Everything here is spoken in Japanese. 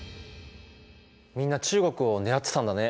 みんな中国を狙ってたんだね。